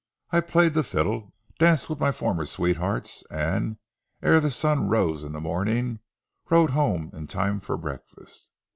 I played the fiddle, danced with my former sweethearts, and, ere the sun rose in the morning, rode home in time for breakfast.